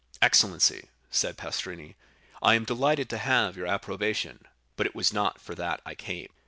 "Excellency," said Pastrini, "I am delighted to have your approbation, but it was not for that I came."